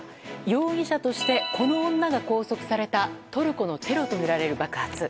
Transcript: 容疑者としてこの女が拘束されたトルコのテロとみられる爆発。